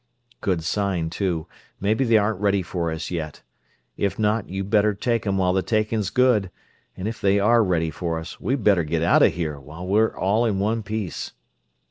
Good sign, too maybe they aren't ready for us yet. If not, you'd better take 'em while the taking's good; and if they are ready for us, we'd better get out of here while we're all in one piece."